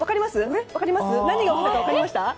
何が起きたら分かりました？